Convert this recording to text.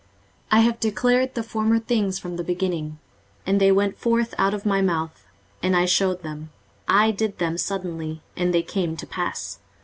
23:048:003 I have declared the former things from the beginning; and they went forth out of my mouth, and I shewed them; I did them suddenly, and they came to pass.